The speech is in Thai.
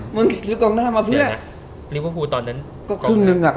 เมื่อซื้อกองหน้ามาเพื่อ